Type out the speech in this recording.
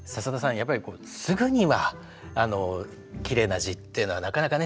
やっぱりすぐにはあのきれいな字っていうのはなかなかね